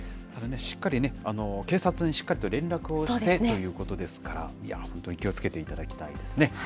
ただね、しっかり警察に、しっかりと連絡をしてということですから、本当に気をつけていただきたいですね。